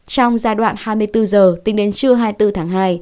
trong giai đoạn hai mươi bốn giờ tính đến trưa hai mươi bốn tháng hai